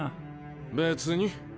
別に。